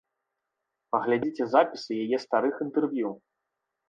Паглядзіце запісы яе старых інтэрв'ю.